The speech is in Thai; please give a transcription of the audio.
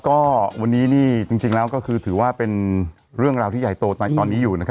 ก็วันนี้นี่จริงแล้วก็คือถือว่าเป็นเรื่องราวที่ใหญ่โตในตอนนี้อยู่นะครับ